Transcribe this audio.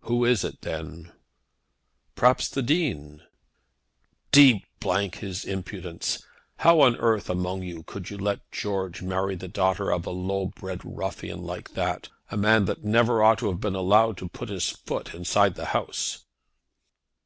"Who is it, then?" "Perhaps it's the Dean." "D his impudence. How on earth among you could you let George marry the daughter of a low bred ruffian like that, a man that never ought to have been allowed to put his foot inside the house?"